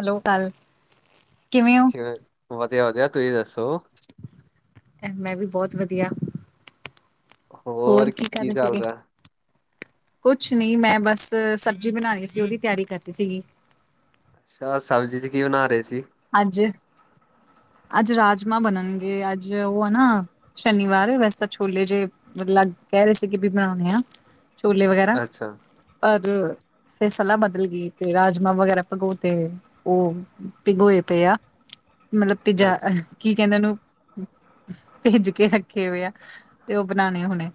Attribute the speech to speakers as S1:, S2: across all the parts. S1: Hello ਕੱਲ, ਕਿਵੇਂ ਹੋ?
S2: ਵਧੀਆ-ਵਧੀਆ, ਤੁਸੀਂ ਦੱਸੋ
S1: ਮੈਂ ਵੀ ਬਹੁਤ ਵਧੀਆ। ਹੋਰ ਕੀ ਕਰ ਰਹੇ ਸੀਗੇ। ਕੁਛ ਨੀ ਮੈਂ ਬਸ ਸਬਜ਼ੀ ਬਣਾਣੀ ਸੀ, ਉਹਦੀ ਤਿਆਰੀ ਕਰਦੀ ਸੀਗੀ।
S2: ਸਾ ਸਬਜ਼ੀ ਚ ਕੀ ਬਣਾ ਰਹੇ ਸੀ।
S1: ਅੱਜ-ਅੱਜ ਰਾਜਮਾਂ ਬਣਨਗੇ, ਅੱਜ ਉਹ ਐ ਨਾ ਸ਼ਨੀਵਾਰ, ਵੈਸੇ ਤਾਂ ਛੋਲੇ ਜਿਹੇ ਲੱਗ ਕਹਿ ਰਹੇ ਸੀਗੇ ਵੀ ਬਣਾਉਂਣੇ ਆਂ। ਛੋਲੇ ਵਗੈਰਾ
S2: ਅੱਛਾ
S1: ਪਰ ਫਿਰ ਸਲਾਹ ਬਦਲ ਗੀ, ਤੇ ਰਾਜਮਾਂ ਵਗੈਰਾ ਭਗੋ ਤੇ ਉਹ ਭਿਗੋਏ ਪਏ ਆ, ਮਤਲਬ ਭਿਜਾ
S2: ਅੱਛਾ
S1: ਕੀ ਕਹਿੰਦੇ, ਉਹਨੂੰ ਭਿੱਜ ਕੇ ਰੱਖੇ ਹੋਏ ਆ, ਤੇ ਉਹ ਬਣਾਣੇ ਹੁਣੇ।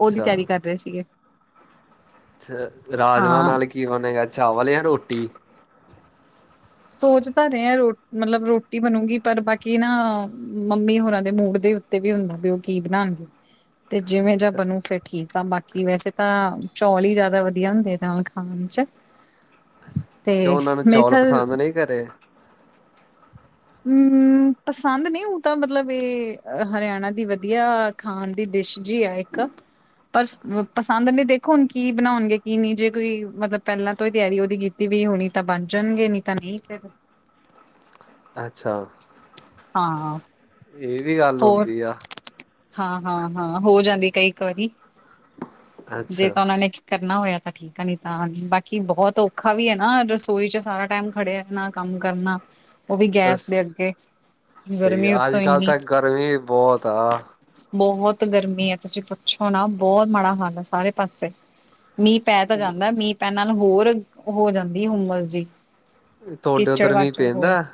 S1: ਉਹਦੀ ਤਿਆਰੀ ਕਰ ਰਹੇ ਸੀਗੇ।
S2: ਛ ਰਾਜਮਾਂ
S1: ਹਾਂ
S2: ਨਾਲ ਕੀ ਬਣੇਗਾ, ਚਾਵਲ ਜਾਂ ਰੋਟੀ।
S1: ਸੋਚ ਤਾਂ ਰਹੇ ਆਂ ਮਤਲਬ ਰੋਟੀ ਬਣੂਗੀ, ਪਰ ਬਾਕੀ ਨਾ ਮੰਮੀ ਹੋਰਾਂ ਦੇ ਮੂਡ ਦੇ ਉੱਤੇ ਤੇ ਵੀ ਹੁੰਦਾ ਵੀ ਉਹ ਕੀ ਬਣਾਣਗੇ, ਤੇ ਜਿਵੇਂ ਦਾ ਬਨੂੰ ਫਿਰ ਠੀਕ ਆ, ਬਾਕੀ ਵੈਸੇ ਤਾਂ ਚੌਲ ਹੀ ਜ਼ਿਆਦਾ ਵਧੀਆ ਹੁੰਦੇ ਨਾਲ ਖਾਣ ਚ। ਤੇ
S2: ਕਿਉਂ ਉਹਨਾਂ ਨੂੰ
S1: ਮੇਰੇ
S2: ਚੌਲ
S1: ਖਿਆਲ
S2: ਪਸੰਦ ਨਹੀਂ ਘਰੇ
S1: ਹੂੰ-ਹੂੰ ਪਸੰਦ ਨਹੀਂ, ਉਂ ਤਾਂ ਮਤਲਬ ਇਹ ਹਰਿਆਣਾ ਦੀ ਵਧੀਆ ਖਾਣ ਦੀ ਡਿਸ਼ ਜੀ ਆ ਇੱਕ। ਪਰ ਪਸੰਦ ਨਹੀਂ ਦੇਖੋ, ਹੁਣ ਕੀ ਬਣਾਉਣਗੇ ਕੀ ਨਈ, ਜੇ ਕੋਈ ਮਤਲਬ ਪਹਿਲਾਂ ਤੋਂ ਹੀ ਤਿਆਰੀ ਉਹਦੀ ਕੀਤ ਕੀਤੀ ਵੀ ਹੋਣੀ ਤਾਂ ਬਣ ਜਾਣਗੇ, ਨਹੀਂ ਤਾਂ ਨਹੀਂ ਫੇਰ
S2: ਅੱਛਾ,
S1: ਹਾਂ, ਉਹ
S2: ਇਹ ਵੀ ਗੱਲ ਹੁੰਦੀ ਆ।
S1: ਹਾਂ-ਹਾਂ-ਹਾਂ, ਹੋ ਜਾਂਦੀ ਕਈ ਇੱਕ ਵਾਰੀ। ਜੇ
S2: ਅੱਛਾ
S1: ਤਾਂ ਉਹਨਾਂ ਨੇ ਕਰਨਾ ਹੋਇਆ ਤਾਂ ਠੀਕ। ਪਤਾ ਨੀ ਤਾਂ ਬਾਕੀ ਬਹੁਤ ਔਖਾ ਵੀ ਐ ਨਾ, ਰਸੋਈ ਚ ਸਾਰਾ ਟਾਈਮ ਖੜੇ ਰਹਿਣਾ, ਕੰਮ ਕਰਨਾ। ਉਹ ਵੀ
S2: ਅਸ
S1: ਗੈਸ ਦੇ ਅੱਗੇ,
S2: ਸਹੀ
S1: ਗਰਮੀ
S2: ਆ ਅੱਜ
S1: ਉਤੋਂ
S2: ਕੱਲ੍ਹ
S1: ਇੰਨੀ।
S2: ਤਾਂ ਗਰਮੀ ਬਹੁਤ ਆ
S1: ਬਹੁਤ ਗਰਮੀ ਐ, ਤੁਸੀਂ ਪੁੱਛੋ ਨਾ ਬਹੁਤ ਮਾੜਾ ਹਾਲ ਐ, ਸਾਰੇ ਪਾਸੇ। ਮੀਂਹ ਪੈ ਤਾਂ ਜਾਂਦਾ, ਮੀਂਹ ਪੈਣ ਨਾਲ ਹੋਰ ਹੋ ਜਾਂਦੀ ਐ ਹੁੰਮਸ ਜੀ।
S2: ਤੁਹਾਡੇ
S1: ਕਿੱਚੜ
S2: ਉੱਧਰ ਮੀਂਹ
S1: ਵਾਚੜ ਹੋਰ
S2: ਪੈਂਦਾ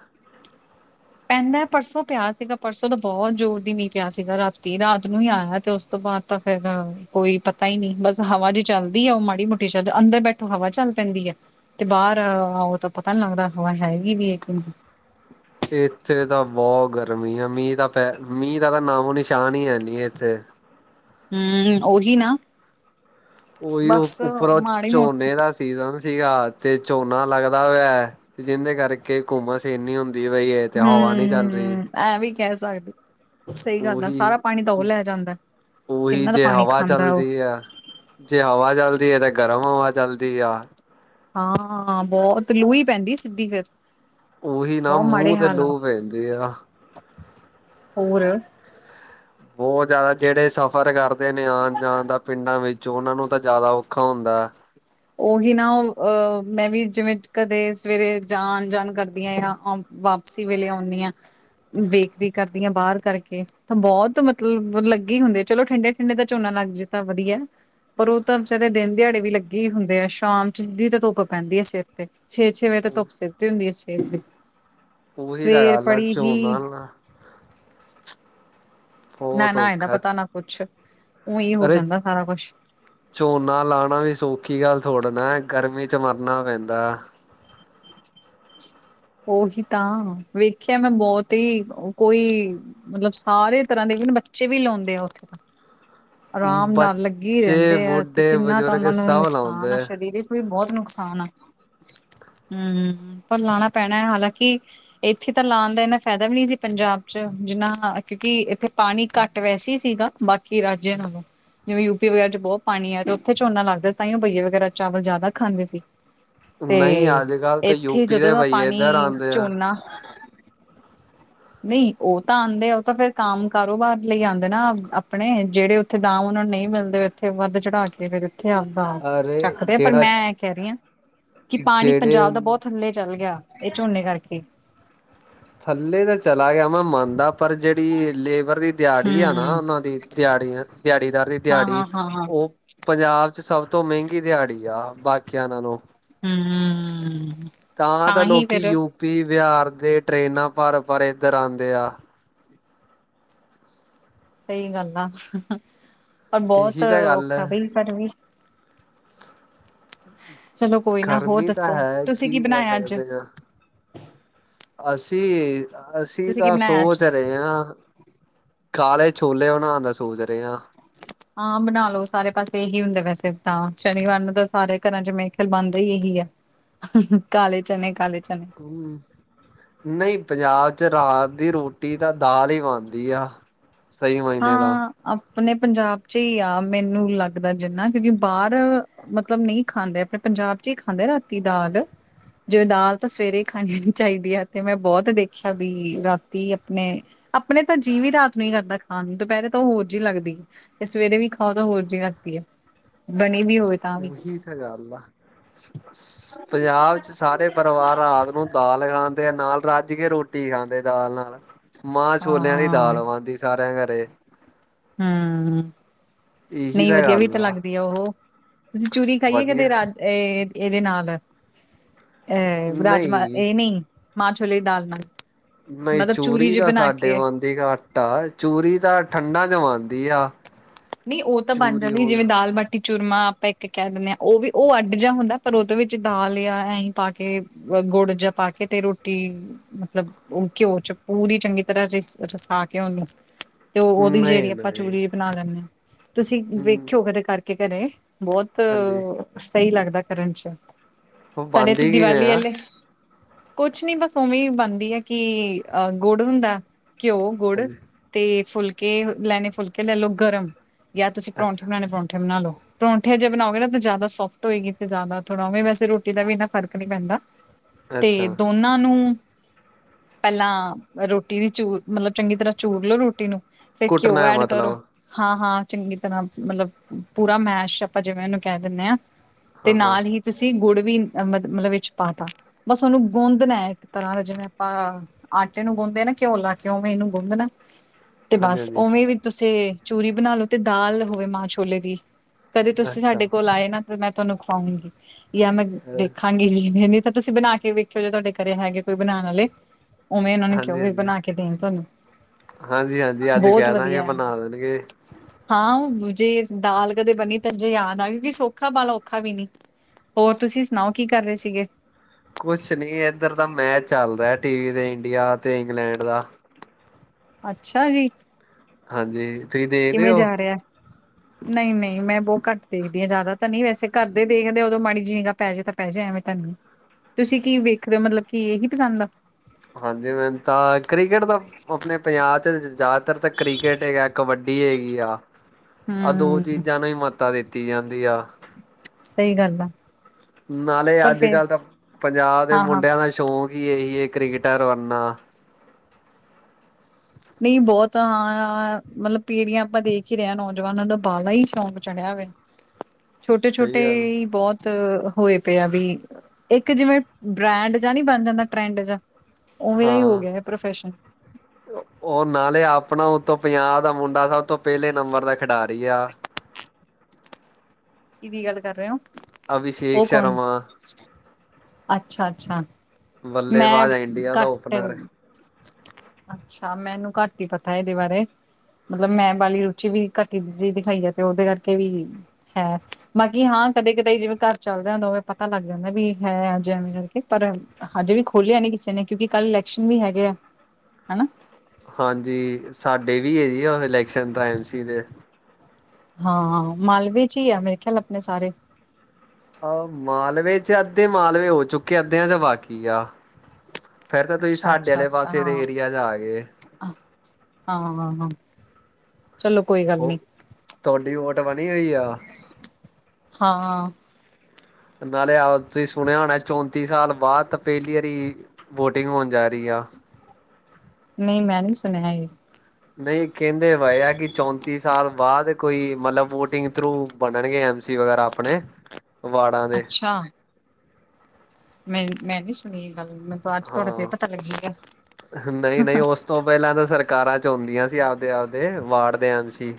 S1: ਪੈਂਦਾ ਪਰਸੋਂ ਪਿਆ ਸੀਗਾ, ਪਰਸੋਂ ਤੇ ਬਹੁਤ ਜ਼ੋਰ ਦੀ ਮੀਂਹ ਪਿਆ ਸੀਗਾ ਰਾਤੀ, ਰਾਤ ਨੂੰ ਹੀ ਆਇਆ, ਤੇ ਉਸ ਤੋਂ ਬਾਅਦ ਤਾਂ ਫੇਰ ਹਾਂ, ਕੋਈ ਪਤ ਪਤਾ ਹੀ ਨਹੀ, ਬਸ ਹਵਾ ਜੇ ਚੱਲਦੀ ਏ, ਉਹ ਮਾੜੀ ਮੋਟੀ ਚੱਲਦੀ ਅੰਦਰ ਬੈਠੋ, ਹਵਾ ਚੱਲ ਪੈਂਦੀ ਐ। ਤੇ ਬਾਹਰ ਆਓ, ਤਾਂ ਪਤਾ ਨੀ ਲੱਗਦਾ, ਹਵਾ ਹੈਗੀ ਵੀ ਏ ਕੇ ਨਹੀਂ।
S2: ਇੱਥੇ ਤਾਂ ਬਹੁਤ ਗਰਮੀ ਐ, ਮੀਂਹ ਤਾਂ ਪੈ, ਮੀਂਹ ਦਾ ਤਾਂ ਨਾਮੋ ਨਿਸ਼ਾਨ ਹੀ ਹੈਨੀ ਇੱਥੇ।
S1: ਹੂੰ, ਓਹੀ ਨਾ।
S2: ਉਹੀ
S1: ਬਸ
S2: ਉੱਪਰੋਂ
S1: ਮਾੜੀ ਮੋਟੀ
S2: ਝੋਨੇ ਦਾ ਸੀਜਨ ਸੀਗਾ, ਤੇ ਝੋਨਾ ਲੱਗਦਾ ਹੋਇਆ। ਤੇ ਜਿਹਦੇ ਕਰਕੇ ਘੁੰਮਸ ਇੰਨੀ ਹੁੰਦੀ ਪਈ ਏ।
S1: ਹੂੰ, ਐਹ ਵੀ ਕਹਿ ਸਕਦੇ। ਸਹੀ ਗੱਲ ਆ
S2: ਉਹੀ
S1: ਸਾਰਾ ਪਾਣੀ ਤਾਂ ਉਹ ਲੈ ਜਾਂਦਾ,
S2: ਉਹੀ
S1: ਕਿੰਨਾ ਤਾਂ
S2: ਜੇ
S1: ਪਾਣੀ
S2: ਹਵਾ
S1: ਖਾਂਦਾ ਉਹ।
S2: ਚੱਲਦੀ ਆ। ਜੇ ਹਵਾ ਚੱਲਦੀ ਐ, ਤੇ ਗਰਮ ਹਵਾ ਚੱਲਦੀ ਆ।
S1: ਹਾਂ, ਬਹੁਤ ਲੂੰ ਹੀ ਪੈਂਦੀ ਸਿੱਧੀ ਫੇਰ।
S2: ਉਹੀ ਨਾ ਮੂੰਹ ਤੇ ਲੋਅ ਪੈਂਦੀ ਆ।
S1: ਹੋਰ
S2: ਬਹੁਤ ਜ਼ਿਆਦਾ, ਜਿਹੜੇ ਸਫ਼ਰ ਕਰਦੇ ਨੇ ਆਣ- ਜਾਣ ਦਾ ਪਿੰਡਾਂ ਵਿੱਚ, ਉਹਨਾਂ ਨੂੰ ਤਾਂ ਜ਼ਿਆਦਾ ਔਖਾ ਹੁੰਦਾ।
S1: ਉਹੀ ਨਾ ਅਹ ਮੈਂ ਵੀ ਜਿਵੇਂ ਕਦੇ ਸਵੇਰੇ ਜਾ ਜਾਣ- ਜਾਣ ਕਰਦੀ ਹਾਂ ਆਂ ਵਾਪਸੀ ਵੇਲੇ ਆਉਨੀ ਆ। ਬੇਕਰੀ ਕਰਦੀ ਹਾਂ ਬਾਹਰ ਕਰਕੇ, ਤਾਂ ਬਹੁਤ ਮਤਲਬ ਲੱਗੇ ਹੀ ਹੁੰਦੇ ਚਲੋ ਠੰਡੇ ਠੰਡੇ ਦਾ ਝੋਨਾ ਲੱਗ ਜੇ। ਤਾਂ ਵਧੀਆ, ਪਰ ਉਹ ਤਾਂ ਵਿਚਾਰੇ ਦਿਨ ਦਿਹਾੜੇ ਵੀ ਲੱਗੇ ਇਹੀ ਹੁੰਦੇ ਆ ਸ਼ਾਮ ਚ ਸਿੱਧੀ ਤਾਂ ਧੁੱਪ ਪੈਂਦੀ ਹੈ ਸਿਰ ਤੇ, ਛੇ-ਛੇ ਵਜੇ ਤੋਂ ਧੁੱਪ ਸਿਰ ਉੱਤੇ ਹੁੰਦੀ ਆ ਸਵੇਰ ਦੀ।
S2: ਉਹੀ ਤਾਂ
S1: ਸਵੇਰ
S2: ਗੱਲ ਆ
S1: ਬੜੀ ਹੀ
S2: ਝੋਨਾ ਨਾ ਬਹੁਤ
S1: ਨਾ-ਨਾ ਇਹਦਾ
S2: ਔਖਾ
S1: ਪਤਾ ਨਾ ਕੁਛ, ਉਂਈ ਹੋ
S2: ਅਰੇ
S1: ਜਾਂਦਾ ਸਾਰਾ ਕੁਛ।
S2: ਝੋਨਾ ਲਾਉਣਾ ਵੀ ਸੌਖੀ ਗੱਲ ਥੋੜੀ ਨਾ ਗਰਮੀ ਚ ਮਰਨਾ ਪੈਂਦਾ।
S1: ਉਹੀ ਤਾਂ ਵੇਖਿਆ ਮੈਂ ਬਹੁਤ ਹੀ ਕੋਈ ਮਤਲਬ ਸਾਰੇ ਤਰ੍ਹਾਂ ਦੇ ਬੱਚੇ ਵੀ ਲਾਉਂਦੇ ਆ ਉੱਥੇ ਤਾਂ। ਆਰਾਮ ਨਾਲ ਲੱਗੀ
S2: ਬੱਚੇ,
S1: ਰਹਿੰਦੇ ਆ ਤੇ
S2: ਬੁੱਢੇ,
S1: ਕਿੰਨਾ ਤਾਂ
S2: ਬਜ਼ੁਰਗ
S1: ਉਹਨਾ ਨੂੰ
S2: ਸਭ
S1: ਨੁਕਸਾਨ ਆ
S2: ਲਾਉਂਦੇ।
S1: ਸਰੀਰਿਕ ਉਹੀ ਬਹੁਤ ਨੁਕਸਾਨ ਆ। ਹੂੰ ਪਰ ਲਾਣਾ ਪੈਣਾ ਹੈ ਹਾਲਾਂਕਿ ਇੱਥੇ ਤਾਂ ਲਾਉਣ ਦਾ ਇੰਨਾ ਫਾਇਦਾ ਵੀ ਨਹੀਂ ਸੀ ਪੰਜਾਬ 'ਚ ਜਿੰਨਾ ਕਿਉਂਕਿ ਇੱਥੇ ਪਾਣੀ ਘੱਟ ਵੈਸੇ ਈ ਸੀਗਾ। ਬਾਕੀ ਰਾਜਿਆਂ ਨੂੰ ਜਿਵੇਂ ਯੂਪੀ ਵਗੈਰਾ ਚ ਬਹੁਤ ਪਾਣੀ ਹੈ ਤੇ ਉੱਥੇ ਝੋਨਾ ਲੱਗਦਾ ਸੀ ਤਾਂਹੀਓ ਬਈਆ ਵਗੈਰਾ ਚਾਵਲ ਜ਼ਿਆਦਾ ਖਾਂਦੇ ਸੀ।
S2: ਨਹੀਂ
S1: ਤੇ
S2: ਅੱਜ ਕੱਲ੍ਹ ਤਾਂ
S1: ਇੱਥੇ
S2: ਯੂਪੀ
S1: ਜਦੋਂ
S2: ਦੇ
S1: ਦਾ
S2: ਬਈਏ ਇੱਧਰ
S1: ਪਾਣੀ
S2: ਆਉਂਦੇ ਆ।
S1: ਝੋਨਾ ਨਹੀਂ ਉਹ ਤਾਂ ਆਦੇ ਆ ਉਹ ਤਾਂ ਫਿਰ ਕੰਮ ਕਾਰੋਬਾਰ ਲਈ ਆਉਂਦੇ ਨਾ ਆਪਣੇ ਜਿਹੜੇ ਜਿੱਥੇ ਦਾਮ ਉਹਨਾਂ ਨੂੰ ਨਹੀਂ ਮਿਲਦੇ ਉੱਥੇ ਵੱਧ ਚੜਾ ਕੇ ਫਰ ਇੱਥੇ ਆਂਦੇ। ਭਾਰ
S2: ਅਰੇ
S1: ਚੱਕਦੇ ਆ ਪਰ
S2: ਜਿਹੜਾ
S1: ਮੈਂ ਕਹਿ ਰਹੀ ਹਾਂ, ਕਿ ਪਾਣੀ
S2: ਜਿਹੜੇ
S1: ਪੰਜਾਬ ਦਾ
S2: ਉਹਨੂੰ
S1: ਬਹੁਤ ਥੱਲੇ ਚੱਲ ਗਿਆ। ਇਹ ਝੋਨੇ ਕਰਕੇ।
S2: ਥੱਲੇ ਤਾਂ ਚਲਾ ਗਿਆ ਮੈਂ ਮੰਨਦਾ ਪਰ ਜਿਹੜੀ ਲੇਬਰ ਦੀ ਦਿਹਾੜੀ ਆ ਨਾ
S1: ਹੂੰ
S2: ਉਹਨਾਂ ਦੀ ਦਿਹਾੜੀ ਦਿਹਾੜੀਦਾਰ ਦੀ
S1: ਹਾਂ
S2: ਦਿਹਾੜੀ
S1: ਹਾਂ ਹਾਂ ਹਾਂ
S2: ਉਹ ਪੰਜਾਬ 'ਚ ਸਭ ਤੋ ਮਹਿਗੀ ਦਿਹਾੜੀ ਆ ਬਾਕੀਆਂ ਨਾਲੋ।
S1: ਹੂੰ
S2: ਤਾਂ ਤਾਂ
S1: ਹੀ
S2: ਲੋਕੀ
S1: ਫੇਰ
S2: ਯੂਪੀ ਬਿਹਾਰ ਦੇ ਟਰੇਨਾਂ ਭਰ-ਭਰ ਕੇ ਇਧਰ ਆਂਦੇ ਆ।
S1: ਸਹੀ ਗੱਲ ਆ, ਪਰ ਬਹੁਤ
S2: ਇਹੀ ਤਾਂ ਗੱਲ
S1: ਔਖਾ
S2: ਹੈ
S1: ਬਈ। [unintelligible] ਚਲੋ ਕੋਈ ਨਾ ਹੋਰ
S2: ਗਰਮੀ ਤਾਂ
S1: ਦੱਸੋ
S2: ਹੈ
S1: ਤੁਸੀਂ
S2: ਕੀ ਕਹਿ
S1: ਬਣਾਇਆ ਅੱਜ
S2: ਸਕਦੇ ਆ। ਅਸੀ, ਅਸੀ
S1: ਤੁਸੀਂ ਕੀ
S2: ਤਾਂ
S1: ਬਣਾਇਆ
S2: ਸੋਚ
S1: ਅੱਜ
S2: ਰਹੇ ਆ ਕਾਲੇ ਛੋਲੇ ਬਣਾਉਣ ਦਾ ਸੋਚ ਰਹੇ ਆ।
S1: [unintelligible] ਹਾਂ ਬਣਾ ਲਓ ਸਾਰੇ ਪਾਸੇ ਇਹੀ ਹੁਦੇ ਵੈਸੇ ਤਾਂ ਸ਼ਨੀਵਾਰ ਨੂੰ ਤਾਂ ਸਾਰੇ ਘਰਾਂ 'ਚ ਮੇਰੇ ਖਿਆਲ ਬਣਦੇ ਹੀ ਇਹੀ ਆ। ਕਾਲੇ ਚਣੇੇ ਕਾਲੇ ਚਣੇੇ।
S2: ਹੂੰ ਨਹੀ ਪੰਜਾਬ 'ਚ ਰਾਤ ਦੀ ਰੋਟੀ ਤਾਂ ਦਾਲ ਹੀ ਬਣਦੀ ਆ। ਸਹੀ ਮਹੀਨੇ ਦਾ
S1: ਹਾਂ ਆਪਣੇ ਪੰਜਾਬ 'ਚ ਹੀ ਆ ਮੈਨੂੰ ਲਗਦਾ ਜਿਨਾ ਕਿਉਕਿ ਬਾਹਰ ਮਤਲਬ ਨਹੀ ਖਾਂਦੇ ਆਪਣੇ ਪੰਜਾਬ 'ਚ ਹੀ ਖਾਂਦੇ ਰਾਤੀ ਦਾਲ। ਜਿਵੇ ਦਾਲ ਤਾਂ ਸਵੇਰੇ ਖਾਣੀ ਨੀ ਚਾਹੀਦੀ ਹੈ ਤੇ ਮੈਂ ਬਹੁਤ ਦੇਖਿਆ ਵੀ ਰਾਤੀ ਆਪਣੇ ਆਪਣੇ ਤਾਂ ਜੀਅ ਵੀ ਰਾਤ ਨੂੰ ਹੀ ਕਰਦਾ ਖਾਣ ਨੂੰ। ਦੁਪਹਿਰੇ ਤਾਂ ਉਹ ਹੋਰ ਜਿਹੀ ਲਗਦੀ ਹੈ ਤੇ ਸਵੇਰੇ ਵੀ ਖਾਓ ਤਾਂ ਹੋਰ ਜਿਹੀ ਲਗਦੀ ਹੈ ਬਣੀ ਵੀ ਹੋਵੇ। ਤਾਂ ਵੀ
S2: ਉਹੀ ਤਾਂ ਗੱਲ ਆ। ਪੰਜਾਬ 'ਚ ਸਾਰੇ ਪਰਿਵਾਰ ਰਾਤ ਨੂੰ ਦਾਲ ਖਾਂਦੇ ਆ ਨਾਲ ਰੱਜ ਕੇ ਰੋਟੀ ਖਾਂਦੇ ਦਾਲ ਨਾਲ। ਮਾਂਹ ਛੋਲਿਆਂ ਦੀ
S1: ਹਾਂ
S2: ਦਾਲ ਬਣਦੀ ਸਾਰਿਆਂ ਘਰੇ।
S1: ਹੂੰ, ਨਹੀ ਵਧੀਆ ਵੀ ਤਾਂ ਲਗਦੀ ਆ ਉਹ। ਤੁਸੀ ਚੂਰੀ ਖਾਈ ਆ ਕਦੇ
S2: ਵਧੀਆ
S1: ਰਾਤ ਇਹਦੇ ਨਾਲ ਅਹ ਰਾਜਮਾਂ
S2: ਨਹੀਂ
S1: ਇਹ ਨਹੀ ਮਾਂ ਛੋਲੇ ਦੀ ਦਾਲ ਨਾਲ?
S2: ਨਹੀ
S1: ਮਤਲਬ
S2: ਚੂਰੀ
S1: ਜੇ
S2: ਤਾਂ
S1: ਬਣਾ
S2: ਸਾਡੇ
S1: ਕੇ
S2: ਬਣਦੀ ਘੱਟ ਆ ਚੂਰੀ ਤਾਂ ਠੰਡਾ ਚ ਬਣਦੀ ਆ।
S1: ਨਹੀ ਉਹ ਤਾਂ ਬਣ
S2: ਚੂਰੀ
S1: ਜਾਦੀ
S2: ਹੋ
S1: ਜਿਵੇ ਦਾਲ ਮ ਮਾਟੀ ਚੂਰਮਾ ਆਪਾਂ ਇਕ ਕਹਿ ਦਿਦੇ ਹਾਂ ਉਹ ਵੀ ਉਹ ਅੱਡ ਜਾ ਹੁੰਦਾ ਪਰ ਉਹਦੇ ਵਿਚ ਦਾਲ ਜਾਂ ਆਏ ਪਾ ਕੇ ਗੁੜ ਜਾ ਪਾਕੇ ਤੇ ਰੋਟੀ ਮਤਲਬ ਉਹ ਘਿਓ 'ਚ ਪੂਰੀ ਚੰਗੀ ਤਰ੍ਹਾ ਰਸਾ ਕੇ ਉਹਨੂੰ ਤੇ ਉਹਦੀ ਜਿਹੜੀ
S2: ਨਹੀਂ
S1: ਆਪਾਂ
S2: ਨਹੀਂ
S1: ਚੂਰੀ ਬਣਾ ਲੈਦੇ ਹਾਂ ਤੁਸੀ
S2: ਹੂੰ
S1: ਵੇਖਿਓ ਕਦੇ ਕਰਕੇ ਕਰੇ ਬਹੁਤ
S2: ਹਾਂਜੀ
S1: ਸਹੀ ਲਗਦਾ ਕਰਨ 'ਚ
S2: ਉਹ
S1: ਸਾਡੇ ਇਥੇ
S2: ਬਣਦੀ ਕਿਵੇਂ
S1: ਦੀਵਾਲੀ
S2: ਆ
S1: ਵਾਲੇ ਕੁਛ ਨੀ ਬਸ ਉਵੇ ਬਣਦੀ ਹੈ। ਕਿ ਅਹ ਗੁੜ ਹੁੰਦਾ ਘਿਓ ਗੁੜ
S2: ਹਾਂਜੀ
S1: ਤੇ ਫੁਲਕੇ ਲੈਣੇ ਫੁਲਕੇ ਲੈ ਲੋ ਗਰਮ ਜਾਂ ਤੁਸੀ ਪਰੋਠੇ
S2: ਅੱਛਾ
S1: ਬਣਾਉਣੇ ਪਰੋਠੇ ਬਣਾ ਲ ਲੋ ਪਰੋਠੇ ਜੇ ਬਣਾਓਗੇ ਨਾ ਤਾਂ ਜ਼ਿਆਦਾ ਸੋਫਟ ਹੋਏਗੀ ਤੇਆਦਾ ਥੋੜ੍ਹਾਵੇ ਵੈਸੇ ਰੋਟੀ ਦਾ ਵੀ ਇਨਾ ਫਰਕ ਨਹੀ ਪੈਦਾ ਤੇ
S2: ਅੱਛਾ
S1: ਦੋਨਾਂ ਨੂੰ- ਪਹਿਲਾਂ ਰੋਟੀ ਵੀ ਚੂ ਮਤਲਬ ਚੰਗੀ ਤਰ੍ਹਾਂ ਚੂਰ ਲੋੋ ਰੋਟੀ ਨੂੰ ਫੇਰ ਘਿਓ
S2: ਕੁੱਟਣਾ
S1: ਐਡ ਕਰੋ
S2: ਮਤਲਬ
S1: ਹਾਂ- ਹਾਂ ਚੰਗੀ ਤਰ੍ਹਾਂ ਮਤਲਬ ਪੂਰਾ ਮੈਸ਼ ਆਪਾਂ ਜਿਵੇ ਇਹਨੂੰ ਕਹਿ ਦਿਦੇ ਹਾਂ ਤੇ
S2: ਹਾਂ ਹਾਂ
S1: ਨਾਲ ਹੀ- ਤੁਸੀਂ ਗੁੜ ਵੀ ਅ ਮਤਲਬ ਵਿਚ ਪਾਤਾਾ ਬਸ ਉਹਨੂੰ ਗੂੰਦਣਾ ਹੈ ਇਕ ਤਰ੍ਹਾਂ ਦਾ ਜਿਵੇ ਆਪਾਂ ਆਟੇ ਨੂੰ ਗੁੰਦੇ ਨਾ ਘਿਓਲਾ ਕੇ ਉਵੇ ਇਹਨੂੰ ਗੁੰਦਣਾ ਤੇ
S2: ਹਾਂਜੀ
S1: ਬਸ
S2: ਹਾਂਜੀ
S1: ਉਵੇ ਵੀ ਤੁ ਚੂਰੀ ਬਣਾ ਲੋ ਤੇ ਦਾਲ ਹੋਵੇ ਮਾਂ ਛੋਲੇ ਦੀ ਕਦੇ ਤੁਸੀ
S2: ਅੱਛਾ
S1: ਸਾਡੇ ਕੋਲ ਆਏ ਨਾ ਤੇ ਮੈ ਤੁਹਾਨੂੰ ਖਵਾਂਗੀ ਜਾਂ ਮੈ ਦੇੇਖਾਂਗੀ ਜੀ ਨ ਤਾਂ ਤੁਸੀ ਬਣਾ ਕੇ ਵੇਖਿਓ ਜੇ ਤੁਹਾਡੇ ਘਰੇ ਹੈਗੇ ਕੋਈ ਬਣਾਉਣ ਵਾਲੇ ਉਵੇ ਉਹਨਾਂ ਨੂੰ ਕਿਹਉ
S2: ਹਾਂਜੀ
S1: ਵੀ
S2: ਹਾਂਜੀ
S1: ਬਣਾ ਕੇ ਦੇਣ ਤੁਹਾਨੂੰ ਬਹੁਤ ਵਧੀਆ
S2: ਜਗੇ [unintelligible]
S1: ਹਾਂ ਜੇ ਦਾਲ ਕਦੇ ਬਣੀ ਤਾਂ ਜੇ ਯਾਦ ਆ ਕਿਉਕਿ ਸੌਖਾ ਬਾ ਔਖਾ ਵੀ ਨੀ ਹੋਰ ਤੁਸੀ ਸੁਣਾਓ ਕੀ ਕਰ ਰਹੇ ਸੀਗੇ
S2: ਕੁਛ ਨੀ ਇਏਧਰ ਦਾ ਮੈਚ ਚਲ ਰਿਹਾ ਟੀ ਵੀ ਤੇ ਇੰਡੀਆ ਤੇ ਇੰਗਲੈਂਡ ਦਾ
S1: ਅੱਛਾ ਜੀ।
S2: ਹਾਂਜੀ ਤੁਸੀਂ ਦੇਖਦੇ ਹੋ
S1: ਨਹੀਂ ਨਹੀਂ ਮੈਂ ਬਹੁਤ ਘੱਟ ਦੇਖਦੀ ਹਾਂ, ਜ਼ਿਆਦਾ ਤਾਂ ਨਹੀਂ ਵੈਸੇ ਘਰਦੇ ਦੇਖਦੇ ਉਦੋਂ ਮਾੜੀ ਜੀ ਨਿਗਾ ਪੈ ਜੇ ਤਾਂ ਪੈ ਜੇ ਐਵੇਂ ਤਾਂ ਨਹੀ ਤੁਸੀ ਕੀ ਵੇਖਦੇ ਹੋ ਮਤਲਬ ਕੀ ਇਹੀ ਪਸੰਦ ਆ
S2: ਹਾਂਜੀ, ਮੈਮ ਤਾਂ ਕ੍ਰਿਕਟ ਦਾ ਆਪਣੇ ਪੰਜਾਬ 'ਚ ਜ਼ਿਆਦਾਤਰ ਤਾਂ ਕ੍ਰਿਕੇਟ ਹੈਗਾ, ਕਬੱਡੀ ਹੈਗੀ ਆ ਆ ਦੋ
S1: ਹੂੰ
S2: ਚੀਜ਼ਾਂ ਨੂੰ ਹੀ ਮਹੱਤਤਾ ਦਿੱਤੀ ਜਾਂਦੀ ਆ
S1: ਸਹੀ ਗੱਲ ਆ
S2: ਨਾਲੇ
S1: ਪਰ
S2: ਅੱਜ
S1: ਫੇਰ
S2: ਕੱਲ੍ਹ ਤਾਂ ਪੰਜਾਬ ਦੇ
S1: ਹਾਂ-ਹਾਂ
S2: ਮੁੰਡਿਆਂ ਦਾ ਸ਼ੌਕ ਹੀ ਇਹੀ ਹੈ, ਕ੍ਰਿਕੇਟਰ ਬਣਨਾ
S1: ਨਹੀਂ ਬਹੁਤ ਹਾਂ ਮਤਲਬ ਪੀੜੀਆਂ ਆਪਾਂ ਦੇਖ ਹੀ ਰਹੇ ਹਾਂ, ਨੌਜਵਾਨਾਂ ਦਾ ਬਾਹਲਾ ਹੀ ਸ਼ੌਂਕ ਚੜਿਆ ਵੇ ਛੋਟੇ
S2: ਸਹੀ
S1: ਛੋਟੇ
S2: ਗੱਲ
S1: ਈ ਬਹੁਤ ਹੋਏ ਪਏ ਆ ਵੀ, ਇੱਕ ਜਿਵੇਂ ਬ੍ਰੈਂਡ ਜਾਂ ਨੀ ਬਣ ਜਾਂਦਾ ਟਰੈਂਡ ਜਾ ਉਵੇਂ ਦਾ ਹੀ ਹੋ
S2: ਹਾਂ
S1: ਗਿਆ ਹੈ ਪ੍ਰੋਫੈਸ਼ਨ
S2: ਉਹ ਨਾਲੇ ਆਪਣਾ ਉਤੋਂ ਪੰਜਾਹ ਦਾ ਮੁੰਡਾ ਸਭ ਤੋਂ ਪਹਿਲੇ ਨੰਬਰ ਦਾ ਖਿਡਾਰੀ ਆ
S1: ਕਿਦੀ ਗੱਲ ਕਰ ਰਹੇ ਹੋ
S2: ਅਭਿਸ਼ੇਕ ਸ਼ਰਮਾ
S1: ਅੱਛਾ- ਅੱਛਾ ਮੈਂ
S2: ਬੱਲੇਬਾਜ਼ ਇੰਡੀਆ ਦਾ
S1: ਘੱਟ
S2: ਓਪਨਰ
S1: ਅੱਛਾ, ਮੈਨੂੰ ਘੱਟ ਹੀ ਪਤਾ ਇਹਦੇ ਬਾਰੇ ਮਤਲਬ ਮੈਂ ਵਾਲੀ ਰੁਚੀ ਵੀ ਘੱਟੀ ਜ ਦਿਖਾਈ ਹੈ, ਤੇ ਉਹਦੇ ਕਰਕੇ ਵੀ ਹੈ, ਬਾਕੀ ਹਾਂ ਕਦੇ ਕਦੇ ਜਿਵੇਂ ਘਰ ਚੱਲ ਰਿਹਾ ਹੁੰਦਾ, ਉਵੇ ਪਤਾ ਲੱਗ ਜਾਂਦਾ ਵੀ ਹੈਜ ਕਰਕੇ ਪਰ ਹਜੇ ਵੀ ਖੋਲਿਆ ਨੀ ਕਿਸੇ ਨੇ ਕਿਯੋਕਿ ਕੱਲ ਇਲੈਕਸ਼ਨ ਵੀ ਹੈਗੇ ਆ ਹਨਾ
S2: ਹਾਂਜੀ ਸਾਡੇ ਵੀ ਹੈ ਜੀ ਉਹ ਇਲੈਕਸ਼ਨ ਜੀ ਐੱਮ ਸੀ ਦੇ
S1: ਹਾਂ, ਮਾਲਵੇ ਚ ਹੀ ਆ ਮੇਰੇ ਖਿਆਲ ਆਪਣੇ ਸਾਰੇ
S2: ਆਹ ਮਾਲਵੇ ਚ ਅੱਧੇ ਮਾਲਵੇ ਹੋ, ਚੁੱਕੇ ਅੱਧਿਆਂ ਚ ਬਾਕੀ ਆ ਫੇਰ ਤਾਂ ਤੁਸੀਂ
S1: ਅੱਛਾ
S2: ਸਾਡੇ ਆਲੇ ਪਾਸੇ ਦੇ ਏਰੀਆ ਚ ਆਗਏ
S1: ਆ ਆਹ -ਆਹ ਚਲੋ ਕੋਈ ਗੱਲ
S2: ਉਹ ਤੁਆਡੀ ਵੋਟ ਬਣੀ ਔਈ ਆ?
S1: ਹਾਂ।
S2: ਨਾਲੈ ਆਵ ਤੁਸੀਂ ਸੁਣਿਆ ਹੋਣਾ, ਚੌਂਤੀ ਸਾਲ ਬਾਅਦ ਪੈਲੀ ਆਰੀ ਵੋਟਿੰਗ ਹੋਣ ਜਾ ਰਈ ਆ।
S1: ਨਈ, ਮੈਂ ਨਈ ਸੁਣਿਆ ਏਹ।
S2: ਨਈ ਕੇਂਦੇ ਵਏ ਐ, ਕਿ ਚੌਂਤੀ ਸਾਲ ਬਾਅਦ ਕੋਈ ਮਤਲਬ ਵੋਟਿੰਗ ਥਰੂ ਬਣਨਗੇ, ਐਮ ਸੀ ਵਗੈਰਾ ਆਪਣੇ, ਵਾਰਡਾਂ ਦੇ।
S1: ਅੱਛਾ ਮੈਂ, ਮੈਂ ਨੀ ਸੁਣੀ ਏਹ ਗੱਲ, ਮੈਨੂੰ ਅੱਜ ਤੁਆਡੇ ਤੇ ਈ
S2: ਹਾਂ।
S1: ਪਤਾ ਲੱਗੀ ਐ।
S2: ਨਹੀਂ ਨਹੀਂ ਉਸ ਤੋਂ ਪੇਅਲਾਂ ਤੇ ਸਰਕਾਰਾਂ ਚੁਨਦੀਆਂ ਸੀ, ਆਪਦੇ-ਆਪਦੇ ਵਾਰਡ ਦੇ ਏਮ ਸੀ।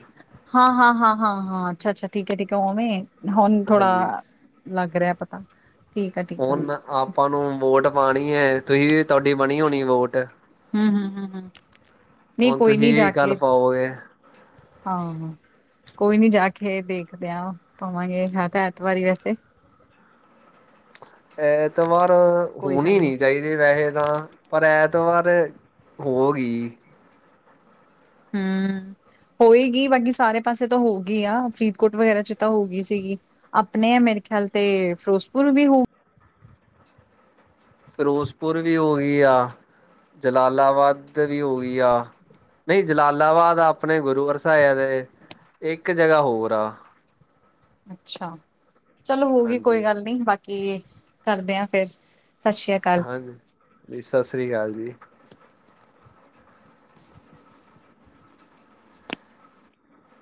S1: ਹਾਂ-ਹਾਂ-ਹਾਂ-ਹਾਂ-ਹਾਂ, ਅੱਛਾ-ਅੱਛਾ ਠੀਕ ਏ ਠੀਕ ਏ, ਔਵੇ? ਹੁਣ
S2: ਹਾਂਜੀ।
S1: ਥੋੜਾ ਲੱਗ ਰੇਆ ਪਤਾ। ਠੀਕ ਆ ਠੀਕ ਆ ਹੂੰ
S2: ਹੁਣ ਆਪਾਂ ਨੂੰ ਵੋਟ ਪਾਣੀ ਏ, ਤੁਹੀ ਵੀ ਤੁਆਡੀ ਬਣੀ ਹੋਨੀ ਏ ਵੋਟ?
S1: ਹੂੰ-ਹੂੰ-ਹੂੰ।
S2: ਹੁਣ ਤੁਹੀਂ ਵੀ ਕੱਲ ਪਾਵੋਗੇ?
S1: ਹਾਂ। ਕੋਈ ਨੀ ਜਾ ਕੇ ਦੇਖਦੇ ਆਂ, ਪਾਵਾਂਗੇ ਹੈ ਤੇ ਐਤਵਾਰ ਈ ਵੈਸੇ।
S2: ਐਤਵਾਰ
S1: ਕੋਈ
S2: ਹੋਣੀ
S1: ਗੱਲ
S2: ਨੀ ਚਾਈ ਦੀ ਵੈਹੇ ਤਾਂ, ਪਰ ਐਤਵਾਰ ਹੋ ਗਈ।
S1: ਹੂੰ। ਹੋ ਈ ਗੀ, ਬਾਕੀ ਸਾਰੇ ਪਾਸੇ ਤਾਂ ਹੋ ਗਈ ਆ, ਫਰੀਦਕੋਟ ਵਗੈਰਾ ਚ ਤਾਂ ਹੋ ਗਈ ਸੀਗੀ। ਆਪਣੇ ਆ ਮੇਰੇ ਖਿਆਲ ਤੇ ਫਿਰੋਜ਼ਪੁਰ ਵੀ ਹੋਊ
S2: ਫਿਰੋਜ਼ਪੁਰ ਵੀ ਹੋ ਗਈ ਆ, ਜਲਾਲਾਬਾਦ ਤੇ ਵੀ ਹੋ ਗਈ ਆ। ਨਹੀਂ, ਜਲਾਲਾਬਾਦ ਆਪਣੇ ਗੁਰੂਵਰਸਾ ਦੇ ਨੇ ਇੱਕ ਜਗ੍ਹਾ ਹੋਰ ਆ।
S1: ਅੱਛਾ। ਚੱਲ ਹੋਗੀ ਕੋਈ
S2: ਹਾਂਜੀ
S1: ਗੱਲ ਨੀ, ਬਾਕੀ ਕੀ ਕਰਦੇ ਆ ਫੇਰ। ਸਸੀ ਆ
S2: ਹਾਂਜੀ। ਜ, ਸ ਸ਼੍ਰੀ ਕਾਲ ਜੀ।